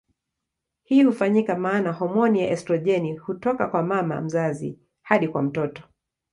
Hii hufanyika maana homoni ya estrojeni hutoka kwa mama mzazi hadi kwa mtoto.